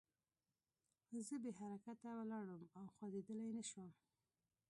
زه بې حرکته ولاړ وم او خوځېدلی نه شوم